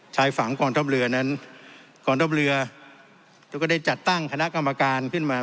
ชายฝั่งกองทัพเรือนั้นกองทัพเรือก็ได้จัดตั้งคณะกรรมการขึ้นมา